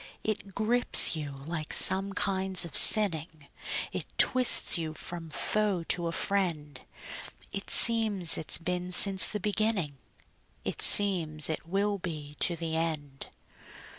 It grips you like some kinds of sinning; It twists you from foe to a friend; It seems it's been since the beginning; It seems it will be to the end.